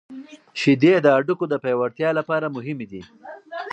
شیدې د هډوکو د پیاوړتیا لپاره مهمې دي.